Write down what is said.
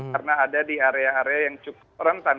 karena ada di area area yang cukup rentan